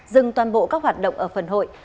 dừng toàn bộ các hoạt động ở phần hội